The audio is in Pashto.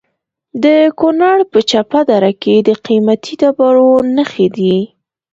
د کونړ په چپه دره کې د قیمتي ډبرو نښې دي.